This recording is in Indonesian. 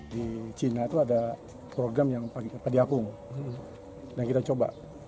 di cina itu ada program yang padi apung yang kita coba